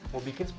mau bikin sepuluh